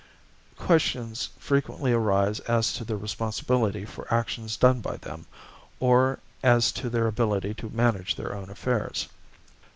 Questions frequently arise as to their responsibility for actions done by them, or as to their ability to manage their own affairs.